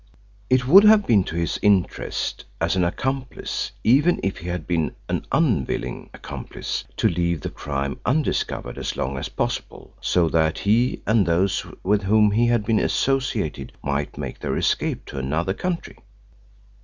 It would have been to his interest as an accomplice even if he had been an unwilling accomplice to leave the crime undiscovered as long as possible, so that he and those with whom he had been associated might make their escape to another country.